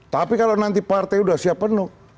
tapi kalau nanti partai sudah siap penuh